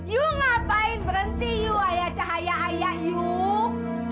yuk ngapain berhenti yuk ayah cahaya ayah yuk